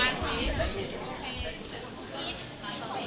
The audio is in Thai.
รักไม่รักก็ออกมาพูดเลย